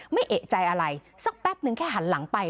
ไม่เอกใจอะไรสักแป๊บนึงแค่หันหลังไป